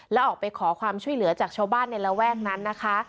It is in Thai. แล้วออกไปขอความช่วยเหลือจากชาวบ้านในระแวกนั้นนะคะ